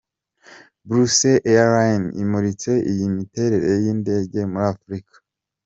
Brussels Airlines imuritse iyi miterere y’indege muri Afurika.